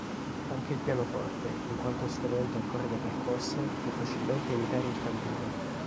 Anche il pianoforte, in quanto strumento a corde percosse, può facilmente imitare il tamburo.